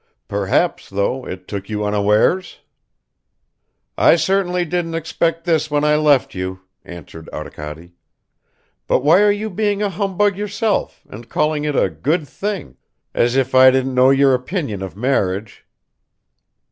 Perhaps, though, it took you unawares?" "I certainly didn't expect this when I left you," answered Arkady; "but why are you being a humbug yourself and calling it a 'good thing,' as if I didn't know your opinion of marriage?"